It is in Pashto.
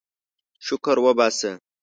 شکر وباسه.